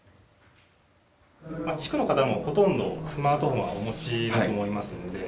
地区の方も、ほとんどスマートフォンはお餅だと思いますので。